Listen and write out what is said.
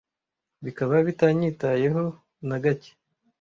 bikaba bitanyitayeho na gacye